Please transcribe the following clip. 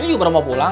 ini berapa pulang